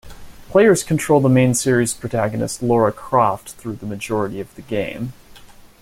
Players control the main series protagonist Lara Croft through the majority of the game.